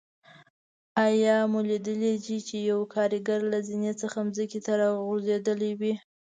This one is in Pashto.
آیا مو لیدلي چې یو کاریګر له زینې څخه ځمکې ته راغورځېدلی وي.